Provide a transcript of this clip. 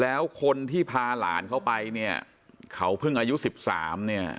แล้วคนที่พาหลานเขาไปเนี่ยเขาเพิ่งอายุ๑๓เนี่ย